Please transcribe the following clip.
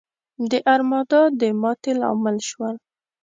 د ارمادا د ماتې لامل شول.